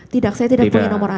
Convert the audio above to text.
tidak saya tidak punya nomor